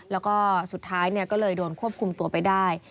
แล้วก็สุดท้ายก็เลยโดนควบคุมตัวไปได้